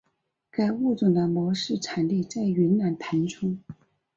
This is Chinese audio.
该物种的模式产地在云南腾冲。